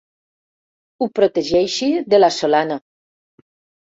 Ho protegeixi de la solana.